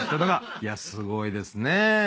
いやすごいですね。